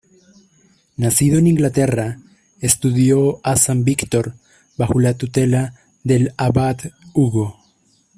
Nacido en Inglaterra, estudió a San Víctor bajo la tutela del abad Hugo.